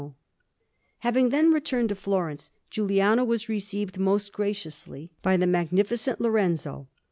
Prato) Alinari] Having then returned to Florence, Giuliano was received most graciously by the Magnificent Lorenzo.